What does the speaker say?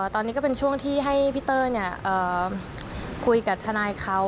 ตอนนี้ก็เป็นช่วงที่ให้พี่เต้ยคุยกับทนายเขา